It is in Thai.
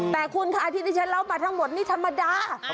แต่คุณค่ะที่ที่ฉันเล่ามาทั้งหมดนี่ธรรมดา